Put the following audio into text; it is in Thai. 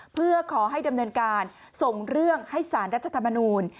เพื่อขอให้ดำเนินการส่งเรื่องให้สารรัฐธรรมนูล